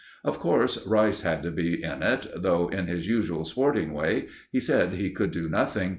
Of course, Rice had to be in it, though, in his usual sporting way, he said he could do nothing.